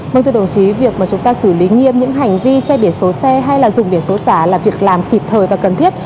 vâng thưa đồng chí việc mà chúng ta xử lý nghiêm những hành vi che biển số xe hay là dùng biển số xả là việc làm kịp thời và cần thiết